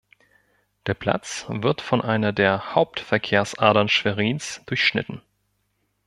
Der Platz wird von einer der Hauptverkehrsadern Schwerins durchschnitten.